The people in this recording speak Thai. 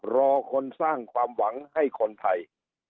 รอคนสร้างความหวังให้คนไทย